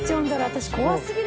私。